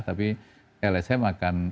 tapi lsm akan